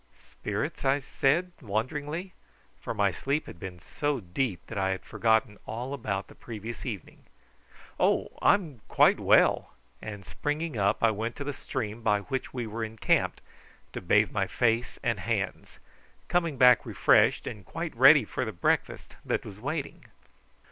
"Spirits?" I said wonderingly, for my sleep had been so deep that I had forgotten all about the previous evening. "Oh, I'm quite well;" and springing up I went to the stream by which we were encamped to bathe my face and hands, coming back refreshed, and quite ready for the breakfast that was waiting.